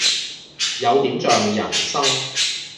有點像人生